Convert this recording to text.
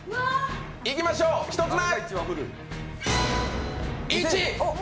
いきましょう、１つ目！